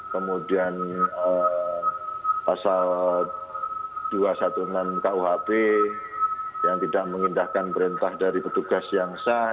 kemudian pasal dua ratus enam belas kuhp yang tidak mengindahkan perintah dari petugas yang sah